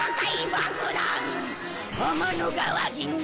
天の川銀河